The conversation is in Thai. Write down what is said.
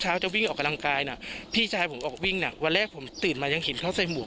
แจ้งทั้งผู้ใหญ่แล้วกำนันแล้ว